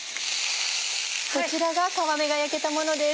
こちらが皮目が焼けたものです。